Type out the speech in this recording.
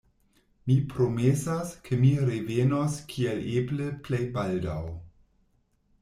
Mi promesas, ke mi revenos kiel eble plej baldaŭ.